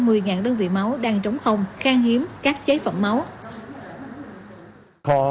một mươi đơn vị máu đang trống không